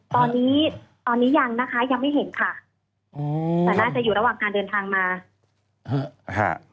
ตอนนี้ตอนนี้ยังนะคะยังไม่เห็นค่ะอืมแต่น่าจะอยู่ระหว่างการเดินทางมาฮะ